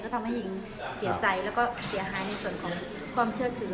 ทำให้หญิงเสียใจแล้วก็เสียหายในส่วนของความเชื่อถือ